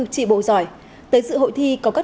tri bộ giỏi tới sự hội thi có các